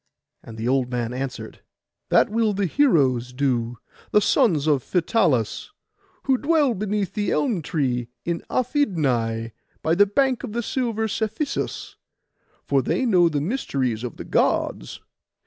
And the old man answered— 'That will the heroes do, the sons of Phytalus, who dwell beneath the elm tree in Aphidnai, by the bank of silver Cephisus; for they know the mysteries of the Gods.